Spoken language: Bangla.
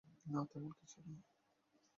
না তেমন কিছু না।